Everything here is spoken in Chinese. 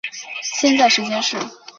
现在时间是。